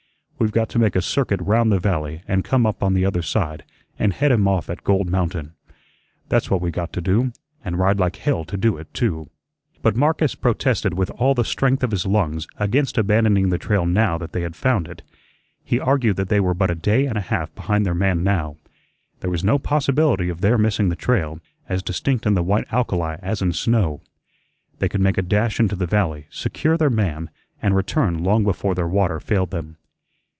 We've got to make a circuit round the valley and come up on the other side and head him off at Gold Mountain. That's what we got to do, and ride like hell to do it, too." But Marcus protested with all the strength of his lungs against abandoning the trail now that they had found it. He argued that they were but a day and a half behind their man now. There was no possibility of their missing the trail as distinct in the white alkali as in snow. They could make a dash into the valley, secure their man, and return long before their water failed them.